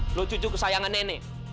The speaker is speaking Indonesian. lu cucu kesayangan nenek